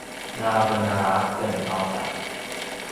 na venala ken auta